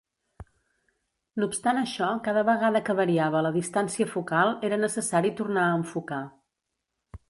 No obstant això cada vegada que variava la distància focal era necessari tornar a enfocar.